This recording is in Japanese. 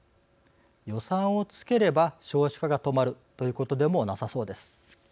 予算をつければ少子化が止まるということでもなさそうです。